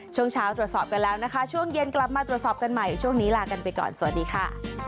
ช่วงเช้าตรวจสอบกันแล้วนะคะช่วงเย็นกลับมาตรวจสอบกันใหม่ช่วงนี้ลากันไปก่อนสวัสดีค่ะ